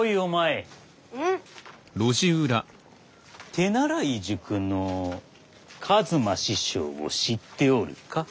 手習い塾の一馬師匠を知っておるか？